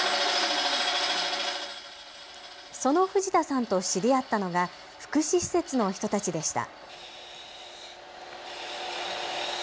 その藤田さんと知り合ったのが福祉施設の人たちでした。